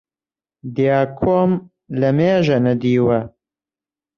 دیاکۆم لەمێژە نەدیوە